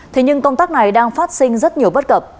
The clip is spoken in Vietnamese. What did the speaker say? thế nhưng công tác này đang phát sinh rất nhiều bất cập